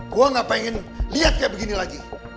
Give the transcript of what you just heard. gue gak pengen lihat kayak begini lagi